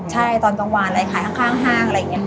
ใช่ตอนกลางวันอะไรขายข้างห้างอะไรอย่างนี้